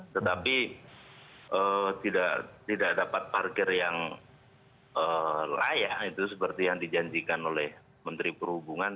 tetapi tidak dapat parkir yang layak itu seperti yang dijanjikan oleh menteri perhubungan